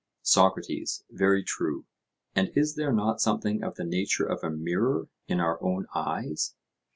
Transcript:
SOCRATES: Very true; and is there not something of the nature of a mirror in our own eyes?